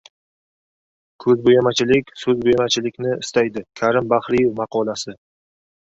Ko‘zbo‘yamachilik so‘zbo‘yamachilikni istaydi. Karim Bahriyev maqolasi